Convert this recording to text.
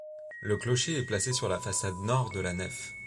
Le clocher est placé sur la façade nord de la nef.